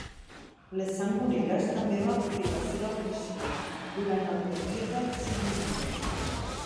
Les sangoneres també van fer la seva aparició durant el període Silurià.